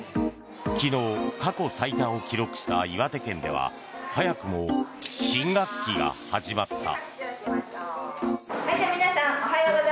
昨日、過去最多を記録した岩手県では早くも新学期が始まった。